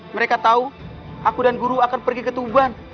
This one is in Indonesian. mereka tahu aku dan guru akan pergi ke tuban